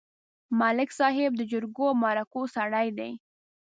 ملک صاحب د جرګو او مرکو سړی دی.